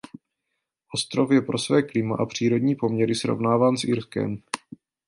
Ostrov je pro své klima a přírodní poměry srovnáván s Irskem.